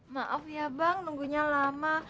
maaf ya bang nunggunya lama